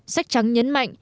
sách trắng nhấn mạnh